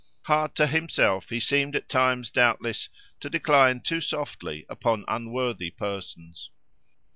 Hard to himself, he seemed at times, doubtless, to decline too softly upon unworthy persons.